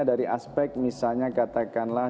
dari aspek misalnya katakanlah